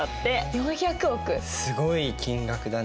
すごい金額だね。